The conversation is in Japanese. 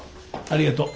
ありがとう。